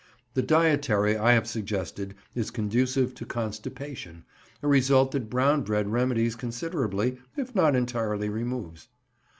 The dietary I have suggested is conducive to constipation, a result that brown bread remedies considerably, if not entirely removes.